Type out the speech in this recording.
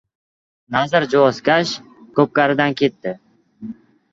Nazir juvozkash ko‘pkaridan ketdi.